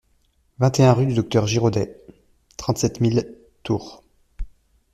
vingt et un rue du Docteur Giraudet, trente-sept mille Tours